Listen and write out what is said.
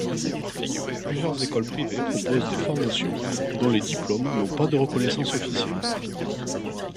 Plusieurs écoles privées proposent des formations, dont les diplômes n'ont pas de reconnaissance officielle.